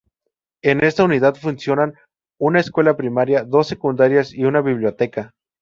En esta unidad funcionan una escuela primaria, dos secundarias y una biblioteca.